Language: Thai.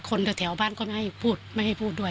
แถวบ้านก็ไม่ให้พูดไม่ให้พูดด้วย